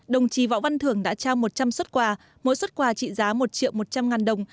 đồng chí võ văn thưởng đã trao một trăm linh xuất quà mỗi xuất quà trị giá một triệu một trăm linh ngàn đồng